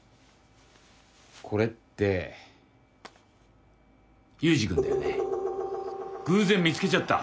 これって祐司君だよね偶然見つけちゃった。